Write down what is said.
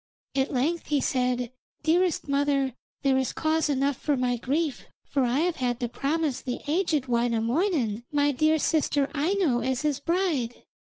At length he said: 'Dearest mother, there is cause enough for my grief, for I have had to promise the aged Wainamoinen my dear sister Aino as his bride.'